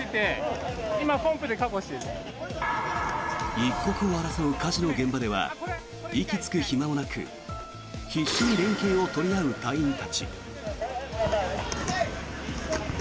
一刻を争う火事の現場では息つく暇もなく必死に連携を取り合う隊員たち。